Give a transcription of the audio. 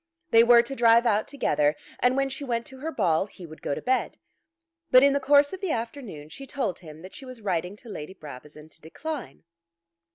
They were to drive out together, and when she went to her ball he would go to bed. But in the course of the afternoon she told him that she was writing to Lady Brabazon to decline.